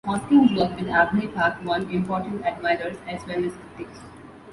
Hosking's work at Abney Park won important admirers, as well as critics.